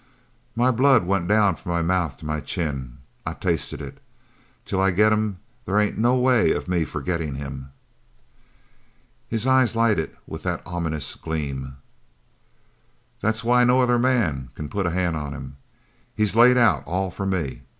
"My blood went down from my mouth to my chin. I tasted it. Till I get him there ain't no way of me forgettin' him." His eyes lighted with that ominous gleam. "That's why no other man c'n put a hand on him. He's laid out all for me.